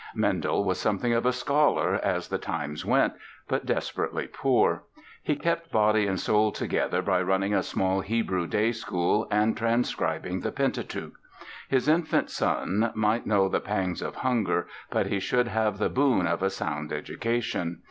Mendel was something of a scholar as the times went, but desperately poor. He kept body and soul together by running a small Hebrew day school and transcribing the Pentateuch. His infant son might know the pangs of hunger but he should have the boon of a sound education.